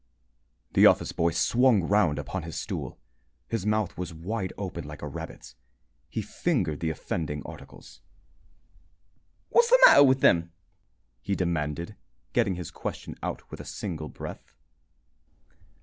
The office boy swung round upon his stool. His mouth was wide open like a rabbit's. He fingered the offending articles. "What's the matter with them?" he demanded, getting his question out with a single breath.